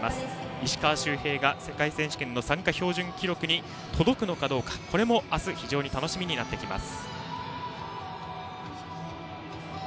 石川周平が世界選手権の参加標準記録に届くのかどうかこれも明日非常に楽しみになってきます。